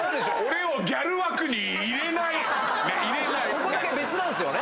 ここだけ別なんすよね。